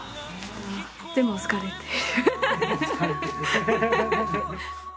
でも疲れてる。